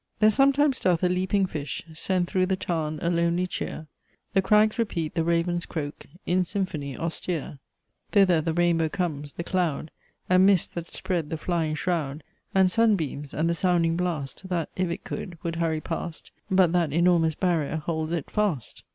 "There sometimes doth a leaping fish Send through the tarn a lonely cheer; The crags repeat the raven's croak, In symphony austere; Thither the rainbow comes the cloud And mists that spread the flying shroud; And sun beams; and the sounding blast, That, if it could, would hurry past; But that enormous barrier holds it fast."